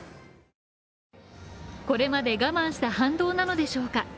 これまで我慢した反動なのでしょうか？